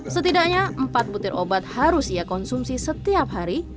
setidaknya empat butir obat harus ia konsumsi setiap hari